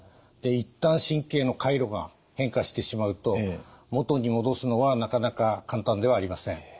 一旦神経の回路が変化してしまうともとに戻すのはなかなか簡単ではありません。